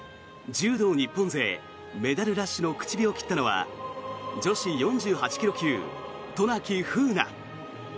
柔道日本勢メダルラッシュの口火を切ったのは女子４８ｋｇ級渡名喜風南。